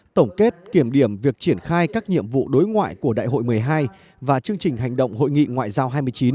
tổng kết kiểm điểm việc triển khai các nhiệm vụ đối ngoại của đại hội một mươi hai và chương trình hành động hội nghị ngoại giao hai mươi chín